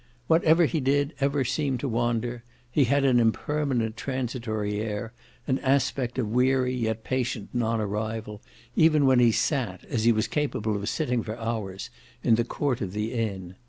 Whatever he did he ever seemed to wander: he had an impermanent transitory air, an aspect of weary yet patient non arrival, even when he sat, as he was capable of sitting for hours, in the court of the inn.